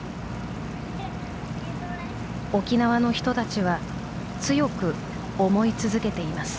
沖縄の人たちは強く思い続けています。